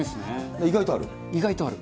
意外とある？